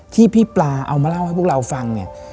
ที่พี่ปลาเอามาเล่าให้พวกเราฟังเนี่ย